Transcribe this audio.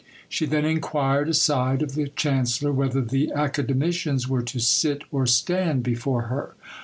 She then inquired aside of the chancellor whether the academicians were to sit or stand before her?